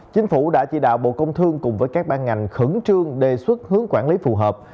chính phủ đã chỉ đạo bộ công thương cùng với các ban ngành khẩn trương đề xuất hướng quản lý phù hợp